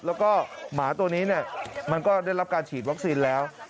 แล้วก็หมาตัวนี้มันก็ได้รับการฉีดวัคซีนแล้ว